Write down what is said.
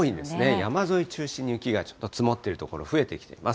山沿い中心に雪がちょっと積もっている所増えてきています。